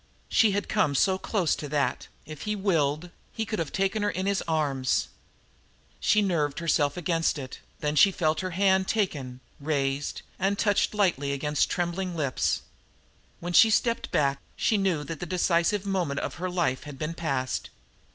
She had come so close that, if he willed, he could have taken her in his arms. She nerved herself against it; then she felt her hand taken, raised and touched lightly against trembling lips. When she stepped back she knew that the decisive moment of her life had been passed.